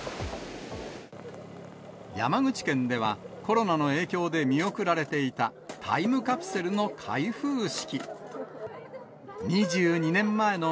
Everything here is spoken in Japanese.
山口県では、コロナの影響で見送られていたタイムカプセルの開封式。